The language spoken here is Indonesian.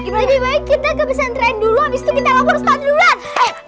lebih baik kita ke pesantren dulu abis itu kita lapor sepatu duluan